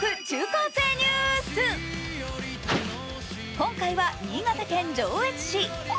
今回は新潟県上越市。